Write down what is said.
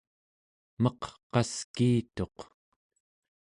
meq qaskiituq